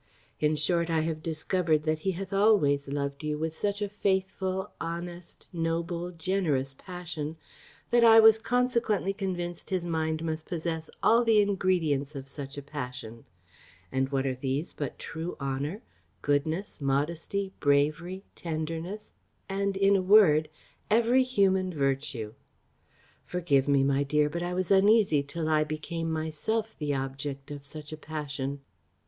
In short, I have discovered that he hath always loved you with such a faithful, honest, noble, generous passion, that I was consequently convinced his mind must possess all the ingredients of such a passion; and what are these but true honour, goodness, modesty, bravery, tenderness, and, in a word, every human virtue? Forgive me, my dear; but I was uneasy till I became myself the object of such a passion."